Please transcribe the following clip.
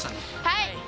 はい！